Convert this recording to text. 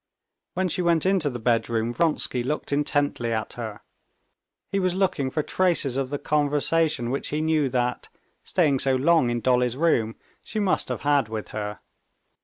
When she went into the bedroom, Vronsky looked intently at her. He was looking for traces of the conversation which he knew that, staying so long in Dolly's room, she must have had with her.